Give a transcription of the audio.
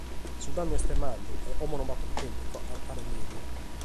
Su dannu est mannu e como non b’at prus tempus pro agatare mèdiu.